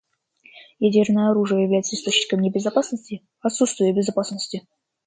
Ядерное оружие является источником не безопасности, а отсутствия безопасности.